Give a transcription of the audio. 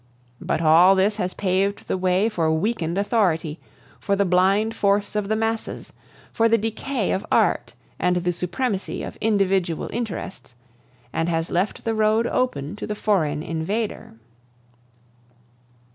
But all this has paved the way for weakened authority, for the blind force of the masses, for the decay of art and the supremacy of individual interests, and has left the road open to the foreign invader.